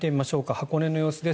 箱根の様子です。